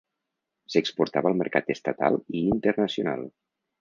S'exportava al mercat estatal i internacional.